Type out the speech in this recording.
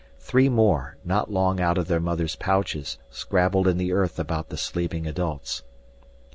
Three more, not long out of their mothers' pouches scrabbled in the earth about the sleeping adults.